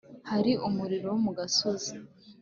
hari umuriro wo mu gasozi